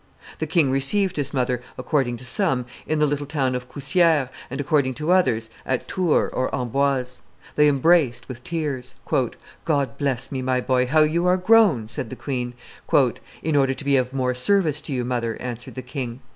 The king received his mother, according to some, in the little town of Cousieres, and, according to others, at Tours or Amboise. They embraced, with tears. "God bless me, my boy, how you are grown!" said the queen. "In order to be of more service to you, mother," answered the king.